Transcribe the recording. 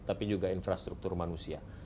tapi juga infrastruktur manusia